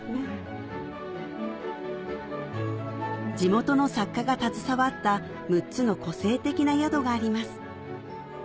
地元の作家が携わった６つの個性的な宿があります